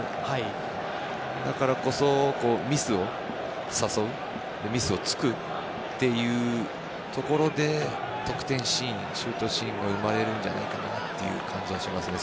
だからこそ、ミスを誘うミスを突くっていうところで得点シーン、シュートシーンが生まれるんじゃないかなという感じがしますね。